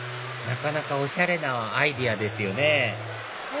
なかなかおしゃれなアイデアですよね